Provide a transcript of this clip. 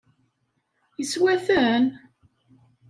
Yeswa-ten?